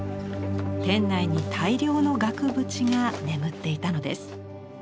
店内に大量の額縁が眠っていたのです。